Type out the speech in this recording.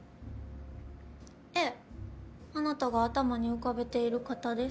ええあなたが頭に浮かべている方です。